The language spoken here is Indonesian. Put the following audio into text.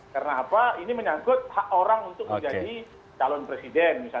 karena apa ini menyangkut hak orang untuk menjadi calon presiden